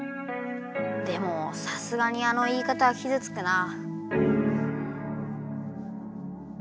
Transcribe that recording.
でもさすがにあの言い方はきずつくな。